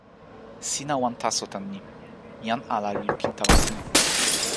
sina wan taso tan ni: jan ala li lukin tawa sina.